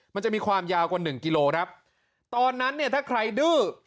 มันจะมีความยาวกว่าหนึ่งกิโลครับตอนนั้นเนี่ยถ้าใครดื้อ